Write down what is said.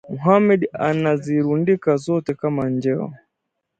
Mohammed anazirundika zote kama njeo